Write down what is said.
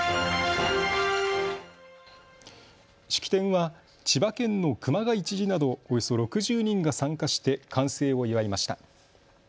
式典は千葉県の熊谷知事などおよそ６０人が参加して完成を祝いました。